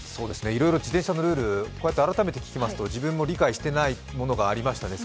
いろいろ自転車のルール、こうやって改めて聞きますと自分も理解してないものがありましたね。